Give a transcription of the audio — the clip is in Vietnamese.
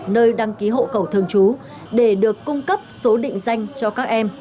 nơi đăng ký hộ cầu thương chú để được cung cấp số định danh cho các em